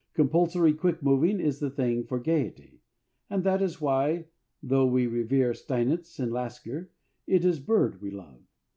Compulsory quick moving is the thing for gaiety, and that is why, though we revere Steinitz and Lasker, it is Bird we love.